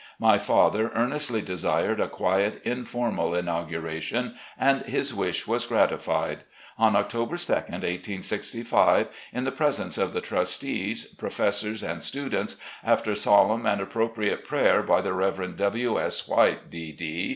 My father earnestly desired a quiet, informal inauguration, and his wish was gratified. On October 2, 1865, in the presence of the trustees, professors and students, after solemn and appropriate prayer by the Rev. W. S. White, D.D.